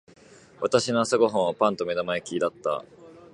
私の朝ご飯はパンと目玉焼きだった。